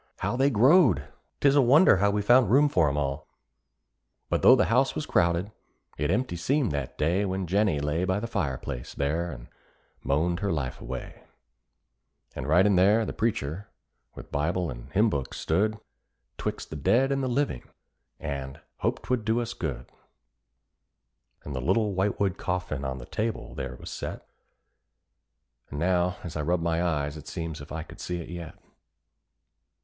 How they growed! 'twas a wonder how we found room for 'em all; But though the house was crowded, it empty seemed that day When Jennie lay by the fire place, there, and moaned her life away. And right in there the preacher, with Bible and hymn book, stood, "RIGHT IN THERE THE PREACHER, WITH BIBLE AND HYMN BOOK STOOD." "'Twixt the dead and the living," and "hoped 'twould do us good;" And the little whitewood coffin on the table there was set, And now as I rub my eyes it seems as if I could see it yet.